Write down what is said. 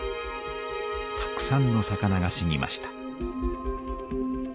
たくさんの魚が死にました。